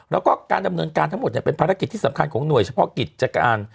แล้วก็การดำเนินการทั้งหมดเป็นภารกิจที่สำคัญของหน่วยเฉพาะกิจการ